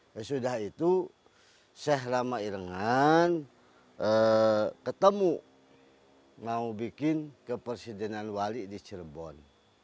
nah sudah itu sheikh rahmah irengan ketemu mau bikin kepersidenan wali di cirebon